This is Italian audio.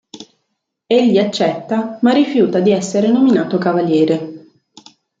Egli accetta, ma rifiuta di essere nominato cavaliere.